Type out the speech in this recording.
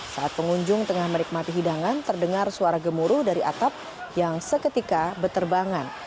saat pengunjung tengah menikmati hidangan terdengar suara gemuruh dari atap yang seketika beterbangan